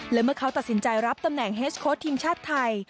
และเมื่อเขาตัดสินใจรับตำแหน่งเฮสโค้ดทีมชาติไทย